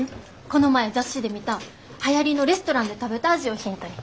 この前雑誌で見たはやりのレストランで食べた味をヒントに。